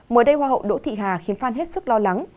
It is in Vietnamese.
mới đây hoa hậu đỗ thị hà khiến phan hết sức lo lắng